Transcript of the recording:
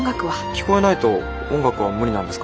聞こえないと音楽は無理なんですか？